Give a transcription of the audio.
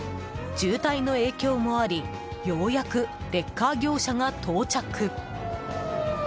渋滞の影響もありようやくレッカー業者が到着。